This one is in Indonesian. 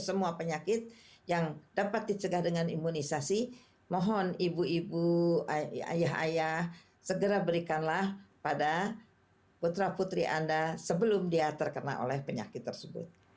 semua penyakit yang dapat dicegah dengan imunisasi mohon ibu ibu ayah ayah segera berikanlah pada putra putri anda sebelum dia terkena oleh penyakit tersebut